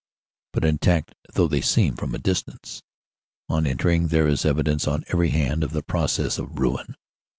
But intact though they seem from a distance, on entering there is evidence on every hand of the process of ruin.